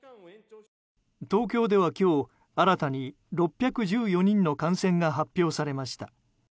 東京では今日新たに６１４人の感染が発表されました。